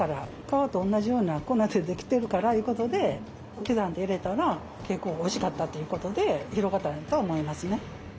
皮と同じような粉でできてるからいうことで刻んで入れたら結構おいしかったっていうことで広がったんやと思いますね。